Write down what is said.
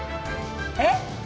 えっ！